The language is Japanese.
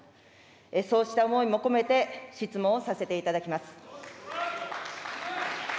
そうした思いも込めて質問をさせていただきます。